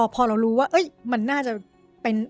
พอเรารู้ว่ามันน่าจะเป็น